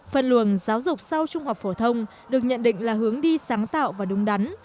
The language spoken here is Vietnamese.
phân luồng giáo dục sau trung học phổ thông được nhận định là hướng đi sáng tạo và đúng đắn